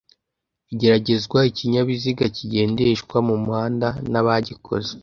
igeragezwa ikinyabiziga kigendeshwa mu muhanda n'abagikoze